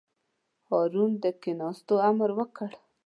هارون د کېناستو امر وکړ.